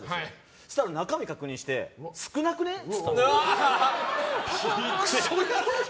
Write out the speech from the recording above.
そうしたら中身確認して少なくねえ？っつったの。